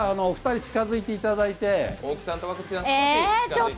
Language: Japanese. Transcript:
お二人近づいていただいて。